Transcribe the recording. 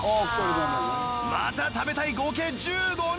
「また食べたい」合計１５人！